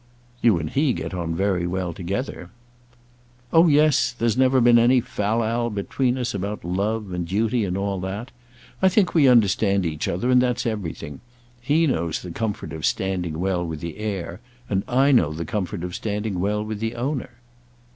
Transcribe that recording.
"You and he get on very well together." "Oh, yes! There's never been any fal lal between us about love, and duty, and all that. I think we understand each other, and that's everything. He knows the comfort of standing well with the heir, and I know the comfort of standing well with the owner."